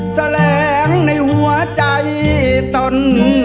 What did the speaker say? แลงในหัวใจตน